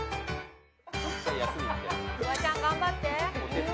フワちゃん頑張って。